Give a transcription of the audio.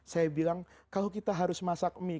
saya bilang kalau kita harus masak mie